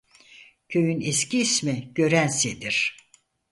Köyün eski ismi Görense'dir.